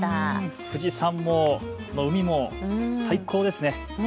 富士山の湖も最高ですね。